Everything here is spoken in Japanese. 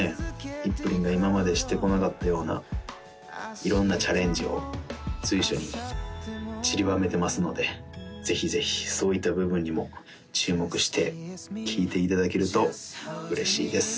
Ｈｉｐｌｉｎが今までしてこなかったような色んなチャレンジを随所にちりばめてますのでぜひぜひそういった部分にも注目して聴いていただけると嬉しいです